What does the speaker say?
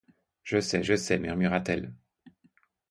Je sais, je sais, murmura-t-elle.